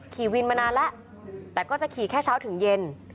ขี่วินมานานแล้วแต่ก็จะขี่แค่เช้าถึงเย็น